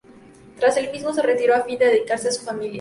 Tras el mismo se retiró a fin de dedicarse a su familia.